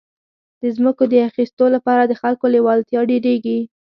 د ځمکو د اخیستو لپاره د خلکو لېوالتیا ډېرېږي.